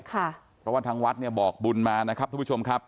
เพราะว่าทางวัดเนี่ยบอกบุญมานะครับทุกผู้ชมครับ